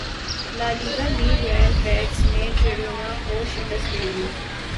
La Liga league Real Betis نے Girona کو شکست دیدی